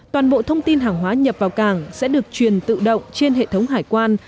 toàn bộ thông tin hàng hóa nhập vào cảng sẽ được truyền tự động trên hệ thống hải quan